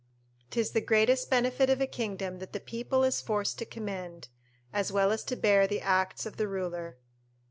["'Tis the greatest benefit of a kingdom that the people is forced to commend, as well as to bear the acts of the ruler."